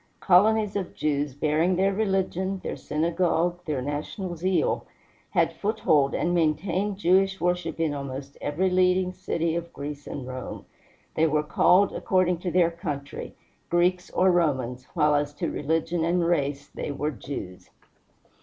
Colonies of Jews, bearing their religion, their synagogue, their national zeal, had foothold and maintained Jewish worship in almost every leading city of Greece and Rome. They were called, according to their country, Greeks or Romans, while as to religion and race they were Jews.